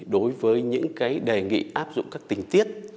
đối với những cái đề nghị áp dụng các tình tiết